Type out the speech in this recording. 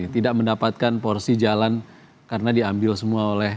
tidak mendapatkan porsi jalan karena diambil semua oleh